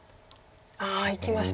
ああいきました。